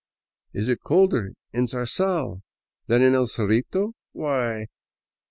"'' Is it colder in Zarzal than in El Cerrito ?" Why. .